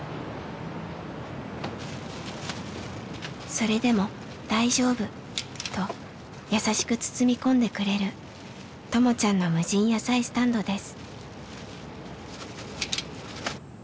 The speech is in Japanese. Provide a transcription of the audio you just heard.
「それでも大丈夫」と優しく包み込んでくれるともちゃんの無人野菜スタンドです。